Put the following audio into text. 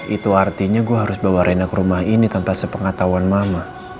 itu artinya gue harus bawa rena ke rumah ini tanpa sepengetahuan mama